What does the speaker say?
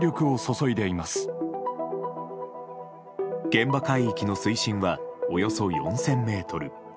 現場海域の水深はおよそ４０００ｍ。